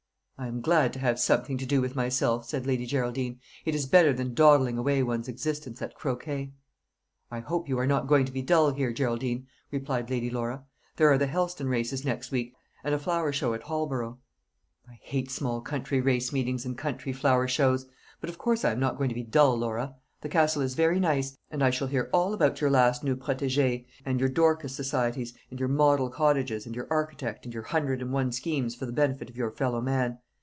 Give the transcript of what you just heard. "I am glad to have something to do with myself," said Lady Geraldine. "It is better than dawdling away one's existence at croquet." "I hope you are not going to be dull here, Geraldine," replied Lady Laura. "There are the Helston races next week, and a flower show at Holborough." "I hate small country race meetings and country flower shows; but of course I am not going to be dull, Laura. The Castle is very nice; and I shall hear all about your last new protégées, and your Dorcas societies, and your model cottages, and your architect, and your hundred and one schemes for the benefit of your fellow man.